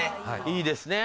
いいですね。